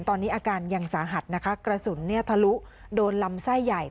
ตอนนี้อาการยังสาหัสนะคะกระสุนทะลุโดนลำไส้ใหญ่